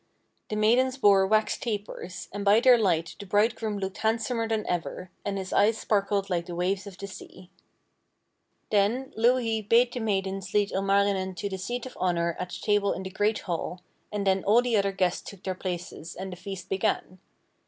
The maidens bore wax tapers, and by their light the bridegroom looked handsomer than ever, and his eyes sparkled like the waves of the sea. [Illustration: LAPP WOMAN IN HOLIDAY COSTUME.] Then Louhi bade the maidens lead Ilmarinen to the seat of honour at the table in the great hall, and then all the other guests took their places, and the feast began.